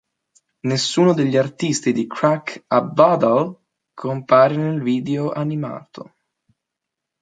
Nessuno degli artisti di "Crack a Bottle" compare nel video animato.